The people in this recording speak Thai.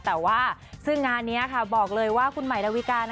แต่ว่าซึ่งงานนี้ค่ะบอกเลยว่าคุณใหม่ดาวิกา